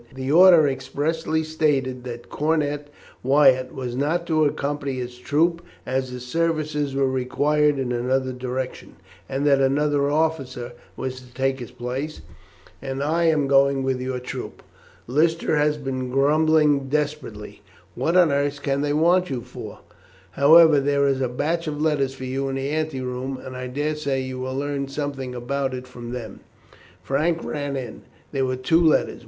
"The order expressly stated that Cornet Wyatt was not to accompany his troop, as his services were required in another direction, and that another officer was to take his place, and I am going with your troop. Lister has been grumbling desperately. What on earth can they want you for? However, there is a batch of letters for you in the ante room, and I daresay you will learn something about it from them." Frank ran in. There were two letters.